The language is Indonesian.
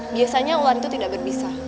biasanya ular itu tidak berbisa